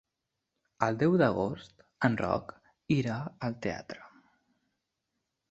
El deu d'agost en Roc irà al teatre.